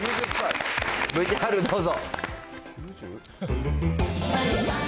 ＶＴＲどうぞ。